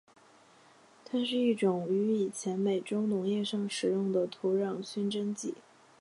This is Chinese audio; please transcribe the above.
它是一种于以前美洲农业上使用的土壤熏蒸剂。